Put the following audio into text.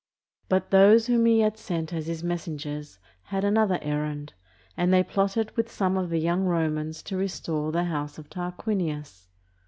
But those whom he had sent as his mes sengers had another errand, and they plotted with some of the young Romans to restore the house of Tarquinius.